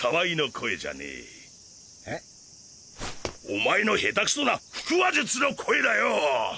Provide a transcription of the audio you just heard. お前の下手クソな腹話術の声だよ！